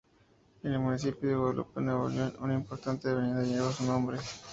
En el municipio de Guadalupe, Nuevo León, una importante avenida lleva su nombre.